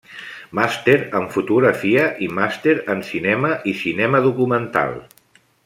Màster en Fotografia i màster en Cinema i Cinema Documental.